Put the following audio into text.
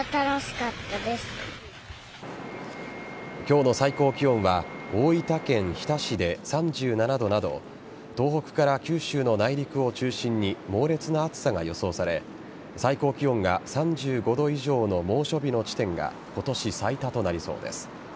今日の最高気温は大分県日田市で３７度など東北から九州の内陸を中心に猛烈な暑さが予想され最高気温が３５度以上の猛暑日の地点が今年最多となりそうです。